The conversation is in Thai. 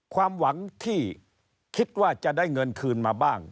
ความหวังที่คิดว่าจะได้เงินคืนมาบ้าง